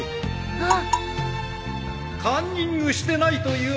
・あっ。